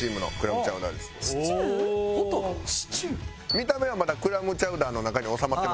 見た目はまだクラムチャウダーの中に収まってます？